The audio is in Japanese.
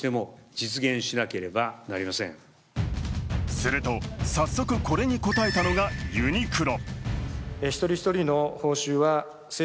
すると早速、これに応えたのがユニクロ。